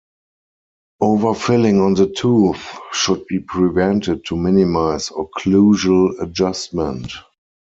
Overfilling on the tooth should be prevented to minimize occlusal adjustment.